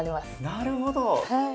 なるほど。